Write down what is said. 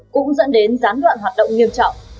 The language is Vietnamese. cũng dẫn đến gián đoạn hoạt động nghiêm trọng